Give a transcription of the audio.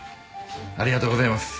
ありがとうございます。